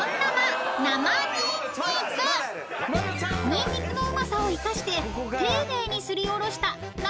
［ニンニクのうまさを生かして丁寧にすりおろした］